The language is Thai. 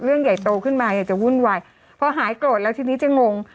เรื่องใหญ่โตขึ้นมาอยากจะวุ่นวายพอหายโกรธแล้วทีนี้จะงง